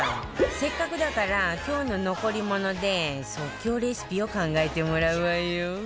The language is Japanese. せっかくだから今日の残り物で即興レシピを考えてもらうわよ